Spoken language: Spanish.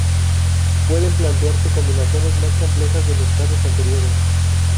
Pueden plantearse combinaciones más complejas de los casos anteriores.